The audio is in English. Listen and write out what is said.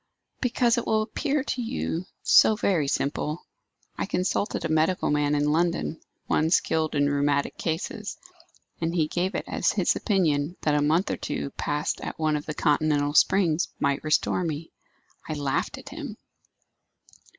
"Because it will appear to you so very simple. I consulted a medical man in London, one skilled in rheumatic cases, and he gave it as his opinion that a month or two passed at one of the continental springs might restore me. I laughed at him."